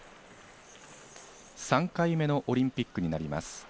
３回目のオリンピックになります。